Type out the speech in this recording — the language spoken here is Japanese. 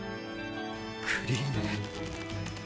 クリーネ。